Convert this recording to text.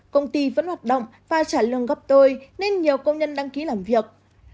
công ty vẫn hoạt động và trả lương gấp tôi nên nhiều công nhân đăng ký làm việc